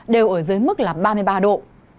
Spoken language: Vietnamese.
đều ở dưới mức ba mươi ba độ